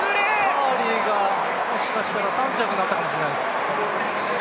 カーリーがもしかしたら３着になったかもしれないです、どうしたんでしょう。